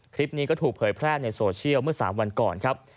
คลิปนี้ก็ถูกเผยแพร่ในโซเชียลเมื่อ๓วันก่อนครับ